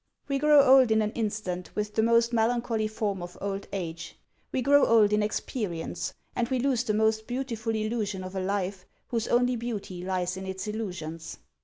We grow old in an instant with the most melancholy form of old age: we grow old in experience, and we lose the most beautiful illusion of a life whose only beauty lies in its illusions.